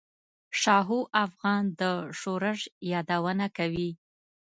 شاهو افغان د شورش یادونه کوي.